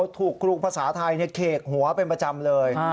ถูกครูภาษาไทยเขกหัวเป็นประจำเลย